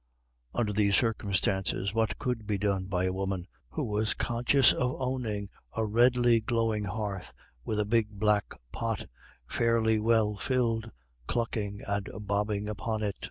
Under these circumstances, what could be done by a woman who was conscious of owning a redly glowing hearth with a big black pot, fairly well filled, clucking and bobbing upon it?